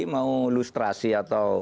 mau lustrasi atau